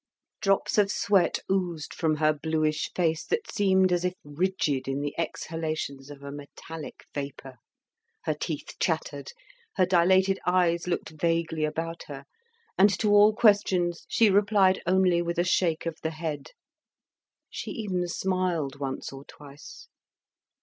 Drops of sweat oozed from her bluish face, that seemed as if rigid in the exhalations of a metallic vapour. Her teeth chattered, her dilated eyes looked vaguely about her, and to all questions she replied only with a shake of the head; she even smiled once or twice.